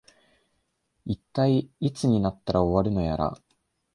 いったい、いつになったら終わるのやら